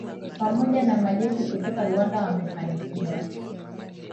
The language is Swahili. pamoja na majeshi kutoka Rwanda wamefanikiwa